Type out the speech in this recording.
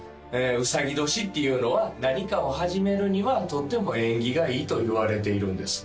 うさぎ年っていうのは何かを始めるにはとっても縁起がいいといわれているんですね